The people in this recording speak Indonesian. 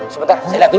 sebentar saya lihat dulu